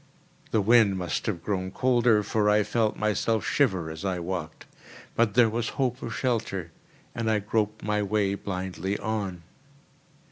The wind must have grown colder, for I felt myself shiver as I walked; but there was hope of shelter, and I groped my way blindly on.